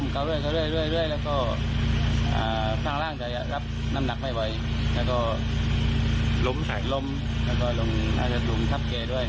ครับ